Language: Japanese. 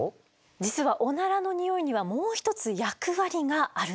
実はオナラのにおいにはもう一つ役割があるんです。